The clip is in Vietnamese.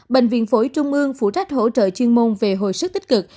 bệnh viện phổi trung ương phụ trách hỗ trợ chuyên môn về hồi sức tích cực